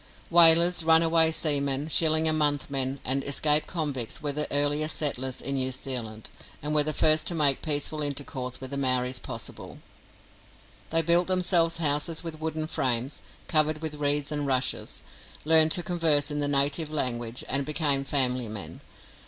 Whalers, runaway seamen, shilling a month men, and escaped convicts were the earliest settlers in New Zealand, and were the first to make peaceful intercourse with the Maoris possible. They built themselves houses with wooden frames, covered with reeds and rushes, learned to converse in the native language, and became family men.